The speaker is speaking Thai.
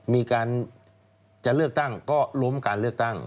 มีการจะเลือกตั้งก็ล้มการเลือกตั้ง